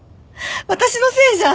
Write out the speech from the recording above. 私のせいじゃん。